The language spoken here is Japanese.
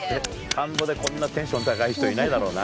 田んぼでこんなテンション高い人いないだろうな。